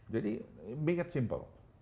jadi make it simple